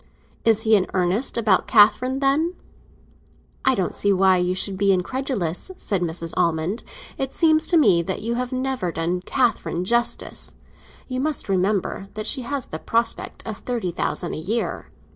"Is he in earnest about Catherine, then?" "I don't see why you should be incredulous," said Mrs. Almond. "It seems to me that you have never done Catherine justice. You must remember that she has the prospect of thirty thousand a year."